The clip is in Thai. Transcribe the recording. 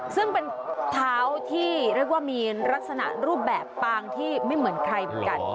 ซึ่งเป็นเท้าที่เรียกว่ามีลักษณะรูปแบบปางที่ไม่เหมือนใครเหมือนกัน